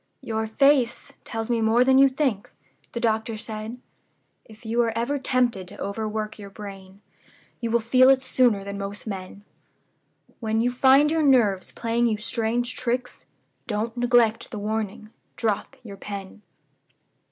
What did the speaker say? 'Your face tells me more than you think,' the doctor said: 'If you are ever tempted to overwork your brain, you will feel it sooner than most men. When you find your nerves playing you strange tricks, don't neglect the warning drop your pen.